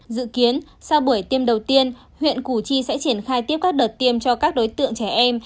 dự kiến sau buổi tiêm đầu tiên huyện củ chi sẽ triển khai tiếp các đợt tiêm cho các đối tượng trẻ em